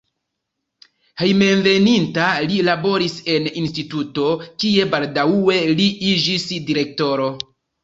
Hejmenveninta li laboris en instituto, kie baldaŭe li iĝis direktoro.